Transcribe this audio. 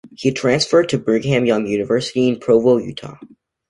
He transferred to Brigham Young University in Provo, Utah.